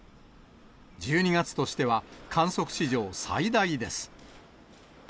１２月としては観測史上最大です。